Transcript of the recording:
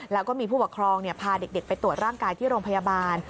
แล้วก็มีผู้ปกครองพาเด็กไปตรวจร่างกายที่โรงพยาบาล